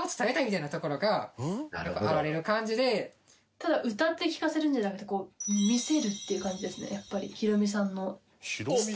ただ歌って聴かせるんじゃなくてこう魅せるっていう感じですねやっぱり。